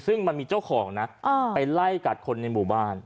ซึ่งมันมีเจ้าของนะไปไล่กัดคนในหมู่บ้าน